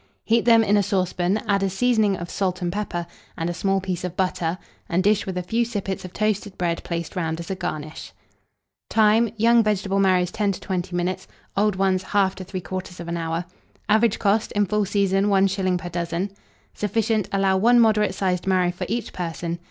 Heat them in a saucepan, add a seasoning of salt and pepper, and a small piece of butter, and dish with a few sippets of toasted bread placed round as a garnish. Time. Young vegetable marrows 10 to 20 minutes; old ones, 1/2 to 3/4 hour. Average cost, in full season, 1s. per dozen. Sufficient. Allow 1 moderate sized marrow for each person.